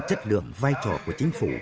chất lượng vai trò của chính phủ